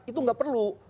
itu gak perlu